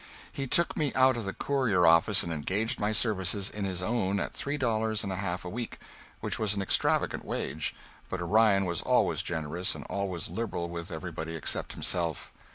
He took me out of the "Courier" office and engaged my services in his own at three dollars and a half a week, which was an extravagant wage, but Orion was always generous, always liberal with everybody except himself.